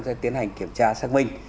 sẽ tiến hành kiểm tra xác minh